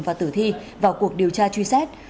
và tử thi vào cuộc điều tra truy xét